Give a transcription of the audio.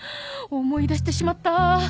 思い出してしまった！